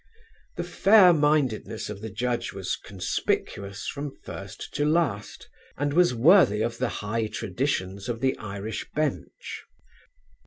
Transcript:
The fair mindedness of the judge was conspicuous from first to last, and was worthy of the high traditions of the Irish Bench.